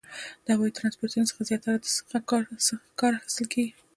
د هوایي ترانسپورتي څخه زیاتره څه کار اخیستل کیږي؟